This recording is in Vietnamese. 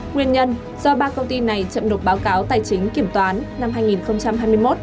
nguyên nhân do ba công ty này chậm nộp báo cáo tài chính kiểm toán năm hai nghìn hai mươi một